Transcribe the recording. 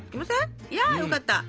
いやよかった！ＯＫ！